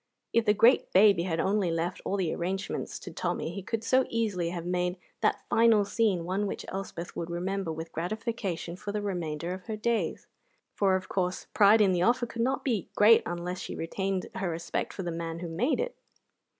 If the great baby had only left all the arrangements to Tommy, he could so easily have made that final scene one which Elspeth would remember with gratification for the remainder of her days; for, of course, pride in the offer could not be great unless she retained her respect for the man who made it.